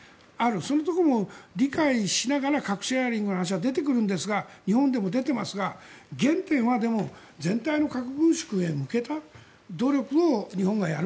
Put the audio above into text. そういうところも理解しながら核シェアリングの話が出てくるんですが日本でも出てますが原点は全体の核軍縮に向けた努力を日本がやる。